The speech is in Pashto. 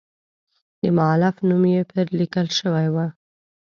د مؤلف نوم یې پر لیکل شوی و.